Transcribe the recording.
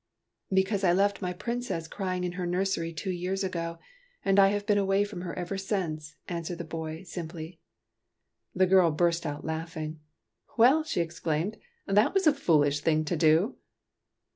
" Because I left my Princess crying in her nursery two years ago, and I have been away from her ever since," answered the boy, simply. The girl burst out laughing. " Well," she exclaimed, '' that was a foolish thing to do